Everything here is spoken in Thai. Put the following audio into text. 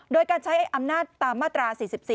โดยการใช้อำนาจตามมาตรา๔๔